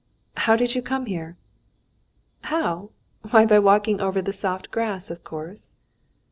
"How did you come here?" "How? Why, by walking over the soft grass, of course."